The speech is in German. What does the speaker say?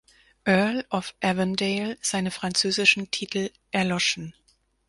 Earl of Avondale, seine französischen Titel erloschen.